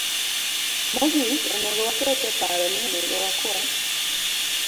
Mogik, onego waket e paro ni onego wakwa